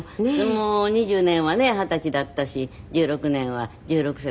もう２０年はね二十歳だったし１６年は１６歳。